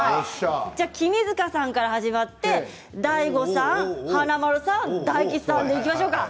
君塚さんから始まってＤＡＩＧＯさん、華丸さん大吉さんでいきましょうか。